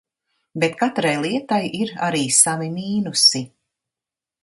Bet katrai lietai ir arī savi mīnusi.